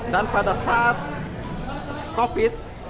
dan pada saat covid